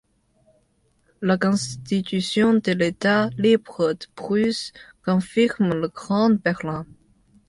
La Constitution de l'État libre de Prusse confirme le Grand-Berlin.